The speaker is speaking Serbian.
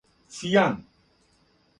Цијан